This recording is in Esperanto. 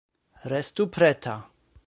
Restu preta.